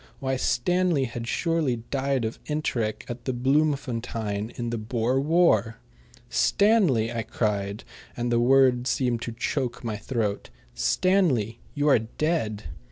Why, Stanley had surely died of enteric at Bloemfontein in the Boer War! "Stanley!" I cried, and the words seemed to choke my throat "Stanley, you are dead."